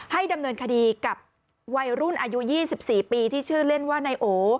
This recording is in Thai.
ดำเนินคดีกับวัยรุ่นอายุ๒๔ปีที่ชื่อเล่นว่านายโอ